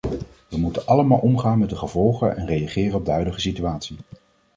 We moeten allemaal omgaan met de gevolgen en reageren op de huidige situatie.